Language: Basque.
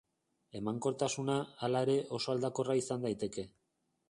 Emankortasuna, hala ere, oso aldakorra izan daiteke.